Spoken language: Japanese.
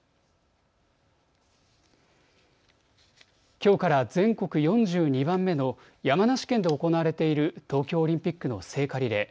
きょうから全国４２番目の山梨県で行われている東京オリンピックの聖火リレー。